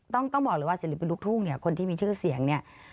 ต้องบอกเลยว่าสลิปเป็นลูกทุ่งคนที่มีชื่อเสียงเนี่ย